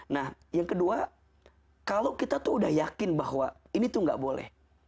nah yang kedua kalau kita tuh udah yakin bahwa ini tuh gak boleh